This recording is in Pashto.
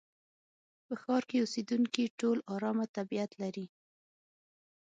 په ښار کې اوسېدونکي ټول ارامه طبيعت لري.